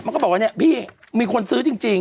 ก็บอกว่าเนี่ยพี่มีคนซื้อจริง